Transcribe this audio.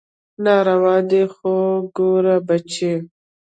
ناروا دي خو ګوره بچى.